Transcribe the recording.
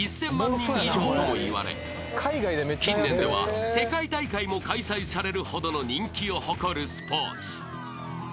人以上ともいわれ近年では世界大会も開催されるほどの人気を誇るスポーツ］